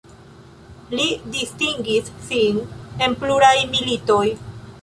Li distingis sin en pluraj militoj.